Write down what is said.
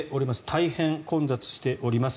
大変混雑しております。